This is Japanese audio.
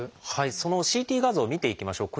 そのＣＴ画像を見ていきましょう。